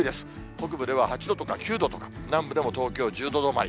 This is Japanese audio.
北部では８度とか９度とか、南部でも東京１０度止まり。